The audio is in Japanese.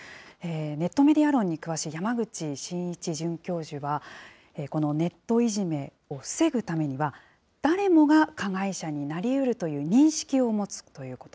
ネットメディア論に詳しい山口真一准教授は、このネットいじめを防ぐためには、誰もが加害者になりうるという認識を持つということ。